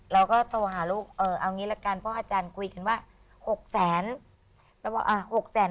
เราก็โทรหาลูกเออเอางี้ละกันเพราะอาจารย์คุยกันว่า๖แสน